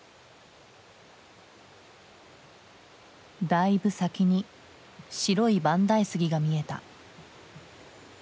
だいぶ先に白い万代杉が見えた。